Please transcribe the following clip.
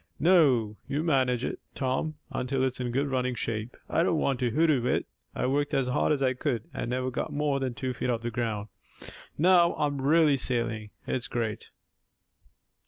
"No, you manage it, Tom, until it's in good running shape. I don't want to 'hoodoo' it. I worked as hard as I could, and never got more than two feet off the ground. Now I'm really sailing. It's great!"